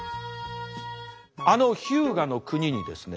あの日向国にですね